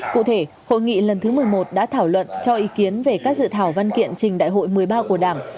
cụ thể hội nghị lần thứ một mươi một đã thảo luận cho ý kiến về các dự thảo văn kiện trình đại hội một mươi ba của đảng